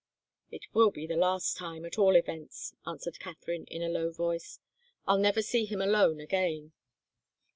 "It will be the last time, at all events," answered Katharine, in a low voice. "I'll never see him alone again."